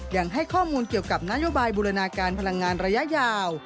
ยังให้ข้อมูลเกี่ยวกับนโยบายบูรณาการพลังงานระยะยาว